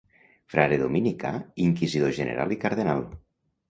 Frare dominicà, inquisidor general i cardenal.